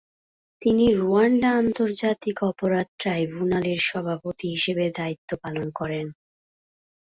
তিনি রুয়ান্ডা আন্তর্জাতিক অপরাধ ট্রাইব্যুনালের সভাপতি হিসাবে দায়িত্ব পালন করেন।